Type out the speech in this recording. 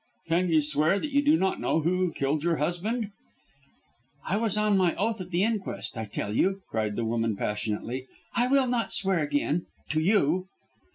"Can you swear that you do not know who killed your husband?" "I was on my oath at the inquest, I tell you," cried the woman, passionately. "I will not swear again to you."